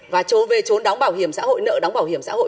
và trốn về trốn đóng bảo hiểm xã hội nợ đóng bảo hiểm xã hội